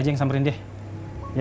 emangnya perempuan ya